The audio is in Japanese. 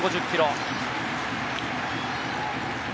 １５０キロ。